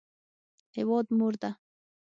هیواد مور ده